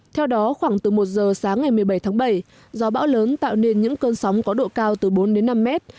theo đó khoảng từ một giờ sáng ngày một mươi bảy tháng bảy gió bão lớn tạo nên những cơn sóng có độ cao từ bốn đến năm mét